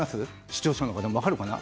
視聴者の方も分かるかな